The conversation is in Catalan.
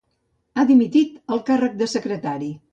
Ha dimitit el càrrec de secretari.